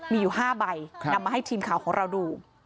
มีอยู่๕ใบนำมาให้ทีมข่าวของเราดู